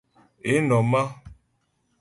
Ě nɔ̀m á.